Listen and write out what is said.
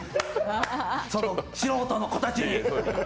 その素人の子たちに。